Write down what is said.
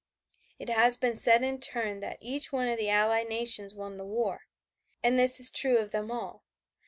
It has been said in turn that each one of the Allied Nations won the war. And this is true of them all.